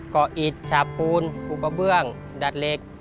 เกาะอิดฉาปูนอุกระเบื้องดัดเหล็ก